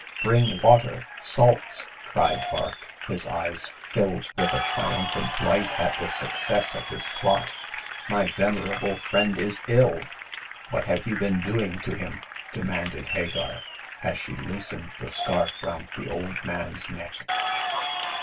" Bring water— salts !" cried Vark, his eyes filled with a triumphant light at the success of his plot. My venerable friend is ill !" "What have you been doing to him ?" de manded Hagar, as she loosened the scarf round the old man's neck.